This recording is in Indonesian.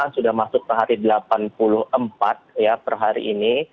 sudah masuk ke hari delapan puluh empat per hari ini